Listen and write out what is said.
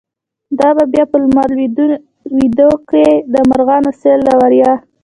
دابه بیا په لمر لویدوکی، دمرغانو سیل له ورایه”